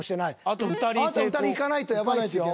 あと２人いかないとやばいですよ。